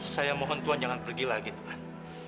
saya mohon tuhan jangan pergi lagi tuhan